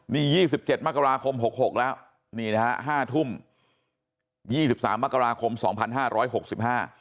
นี่ยี่สิบเจ็ดมกราคมหกหกแล้วนี่นะฮะห้าทุ่มยี่สิบสามมกราคมสองพันห้าร้อยหกสิบห้า